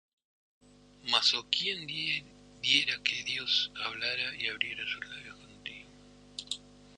Mas ¬oh quién diera que Dios hablara, Y abriera sus labios contigo,